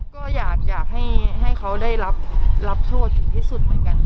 ก็อยากให้เขาได้รับโทษถึงที่สุดเหมือนกัน